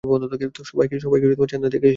সবাই কি চেন্নাই থেকে এসেছেন?